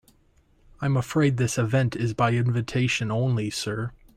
I'm afraid this event is by invitation only, sir.